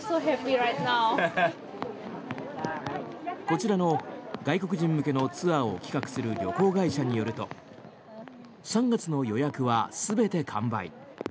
こちらの外国人向けのツアーを企画する旅行会社によると３月の予約は全て完売。